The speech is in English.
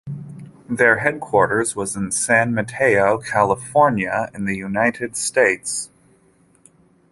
Their headquarters was in San Mateo, California in the United States.